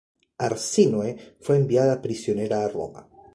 Arsínoe fue enviada prisionera a Roma.